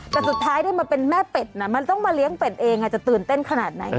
แต่สุดท้ายได้มาเป็นแม่เป็ดนะมันต้องมาเลี้ยงเป็ดเองจะตื่นเต้นขนาดไหน